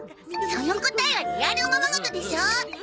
その答えはリアルおままごとでしょ！